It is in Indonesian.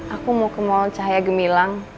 aku mau ke mall cahaya gemilang